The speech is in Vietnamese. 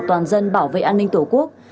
toàn dân bảo vệ an ninh tổ quốc